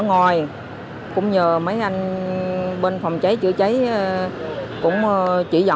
ngoài cũng nhờ mấy anh bên phòng cháy chữa cháy cũng chỉ dọn